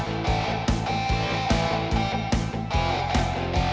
udah aku udah hilang gabahnya